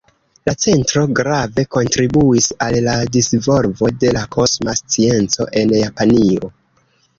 La centro grave kontribuis al la disvolvo de la kosma scienco en Japanio.